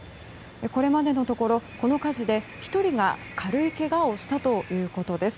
これまでのところ、この火事で１人が軽いけがをしたということです。